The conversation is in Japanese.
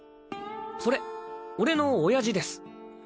それ俺の親父です。